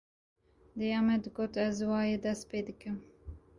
Dêya me digot: Ez va ye dest pê dikim